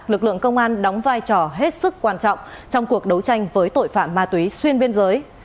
lực lượng công an đóng vai trò hết sức quan trọng trong cuộc đấu tranh với tội phạm ma túy xuyên biên giới